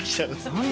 何？